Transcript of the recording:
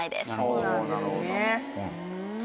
そうなんですね。